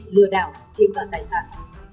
lừa đảo chiếm đặt tài sản